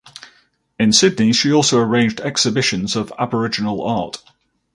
In Sydney she also arranged exhibitions of Aboriginal art.